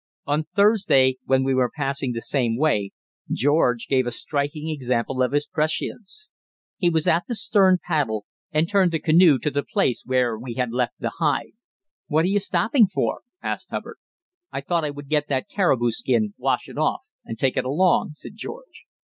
On Thursday when we were passing the same way, George gave a striking example of his prescience. He was at the stern paddle, and turned the canoe to the place where we had left the hide. "What are you stopping for?" asked Hubbard. "I thought I would get that caribou skin, wash it off, and take it along," said George.